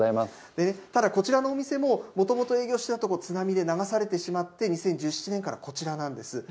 ただ、こちらのお店ももともと営業していた所は津波で流されてしまって、２０１７年からこちらなんです。